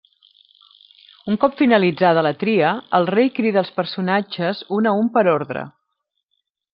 Un cop finalitzada la tria, el rei crida als personatges un a un per ordre.